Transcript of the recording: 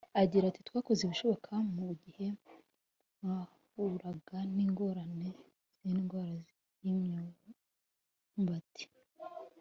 Agira ati “ Twakoze ibishoboka mu gihe mwahuraga n’ingorane z’indwara y’imyumbati